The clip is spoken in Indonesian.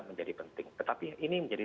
menjadi penting tetapi ini menjadi